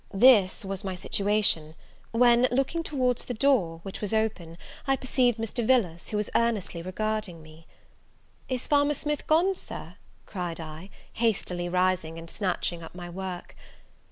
This was my situation, when, looking towards the door, which was open, I perceived Mr. Villars, who was earnestly regarding me. "Is Farmer Smith gone, Sir?" cried I, hastily rising, and snatching up my work.